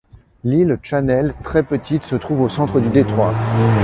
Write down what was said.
L'île Channel, très petite, se trouve au centre du détroit.